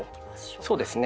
そうですね。